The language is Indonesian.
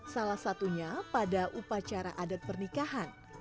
salah satunya pada upacara adat pernikahan